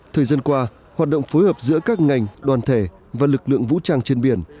thời gian qua hoạt động phối hợp giữa các ngành đoàn thể và lực lượng vũ trang trên biển